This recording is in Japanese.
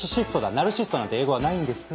「ナルシスト」なんて英語はないんです。